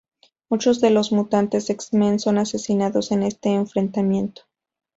Muchos de los mutantes X-Men son asesinados en este enfrentamiento.